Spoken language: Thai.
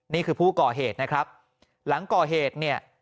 นี่คือผู้ก่อเหตุนะครับหลังก่อเหตุเนี่ย